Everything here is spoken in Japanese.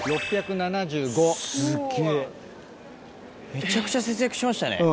めちゃくちゃ節約しましたね